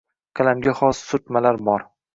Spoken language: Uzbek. Qalamga xos surtmalar bor.